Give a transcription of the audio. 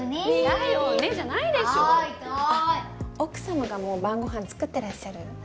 あっ奥様がもう晩ご飯作ってらっしゃる？